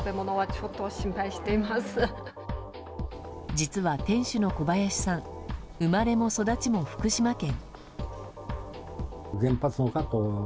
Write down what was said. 実は、店主の小林さん生まれも育ちも福島県。